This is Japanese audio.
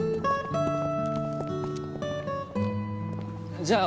じゃあ俺